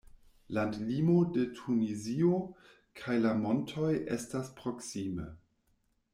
Landlimo de Tunizio kaj la montoj estas proksime.